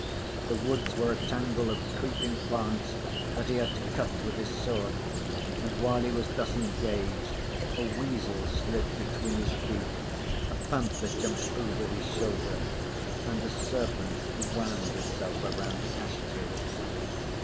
The woods were a tangle of creeping plants that he had to cut with his sword, and while he was thus engaged, a weasel slid between his feet, a panther jumped over his shoulder, and a serpent wound itself around the ash tree.